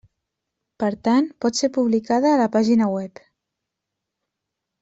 Per tant, pot ser publicada a la pàgina web.